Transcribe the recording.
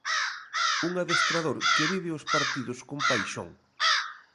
Un adestrador que vive os partidos con paixón.